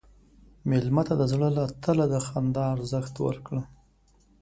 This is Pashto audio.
مېلمه ته د زړه له تله د خندا ارزښت ورکړه.